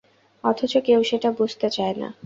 অথচ কেউ সেটা বুঝতে চায় না।